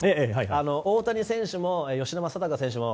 大谷選手、吉田正尚選手も